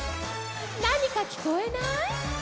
なにかきこえない？」